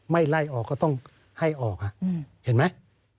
ไล่ออกก็ต้องให้ออกเห็นไหม